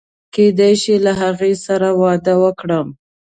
کېدای شي له هغې سره واده وکړم.